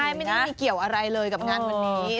ใช่ไม่ได้มีเกี่ยวอะไรเลยกับงานวันนี้